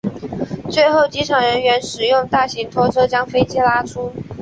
最后机场人员使用大型拖车将飞机拉出。